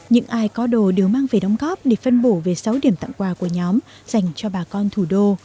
những ai có đồ đều mang về đóng góp để phân bổ về sáu điểm tặng quà của nhóm dành cho bà con thủ đô